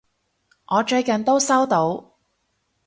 我最近都收到！